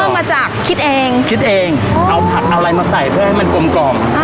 มาจากคิดเองคิดเองเอาผักเอาอะไรมาใส่เพื่อให้มันกลมกล่อม